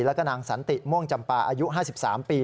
แล้วก็นางสันติม่วงจำปาอายุ๕๓ปี